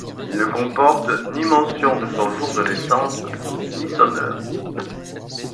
Il ne comporte ni mention de son jour de naissance, ni son heure.